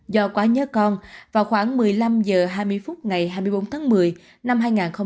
do quá nhớ con vào khoảng một mươi năm h hai mươi phút ngày hai mươi bốn tháng một mươi năm hai nghìn hai mươi ba